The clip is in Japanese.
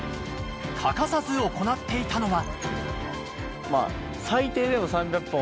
欠かさず行っていたのは。